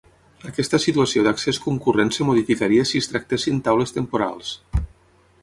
Aquesta situació d'accés concurrent es modificaria si es tractessin taules temporals.